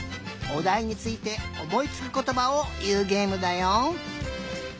おだいについておもいつくことばをいうげえむだよ。